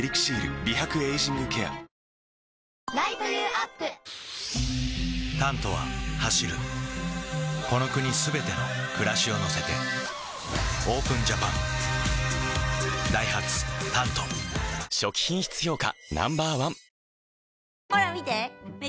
新「ＥＬＩＸＩＲ」「タント」は走るこの国すべての暮らしを乗せてＯＰＥＮＪＡＰＡＮダイハツ「タント」初期品質評価